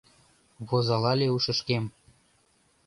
Возалале ушышкем